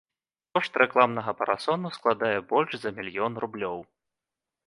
Кошт рэкламнага парасону складае больш за мільён рублёў.